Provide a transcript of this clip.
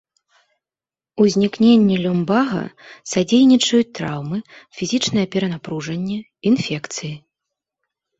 Узнікненню люмбага садзейнічаюць траўмы, фізічнае перанапружанне, інфекцыі.